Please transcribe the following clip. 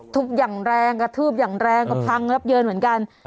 ทุกอย่างแรงกระทืบอย่างแรงก็พังยับเยินเหมือนกัน